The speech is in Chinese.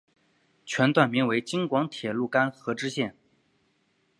全段名为京广铁路邯和支线。